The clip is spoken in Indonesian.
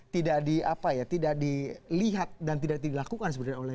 tidak di apa ya tidak dilihat dan tidak dilakukan sebenarnya oleh